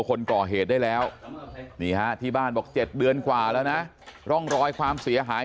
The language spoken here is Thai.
คนก่อเหตุได้แล้วนี่ฮะที่บ้านบอก๗เดือนกว่าแล้วนะร่องรอยความเสียหาย